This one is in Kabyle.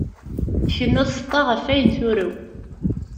Tkennu tseṭṭa ɣef wayen turew.